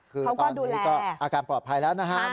คือตอนนี้ก็อาการปลอดภัยแล้วนะครับ